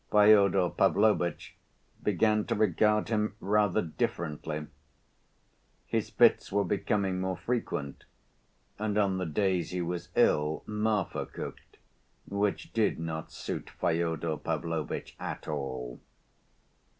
Fyodor Pavlovitch began to regard him rather differently. His fits were becoming more frequent, and on the days he was ill Marfa cooked, which did not suit Fyodor Pavlovitch at all.